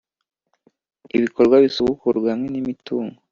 Ibikorwa bisubukurwe hamwe n imitungo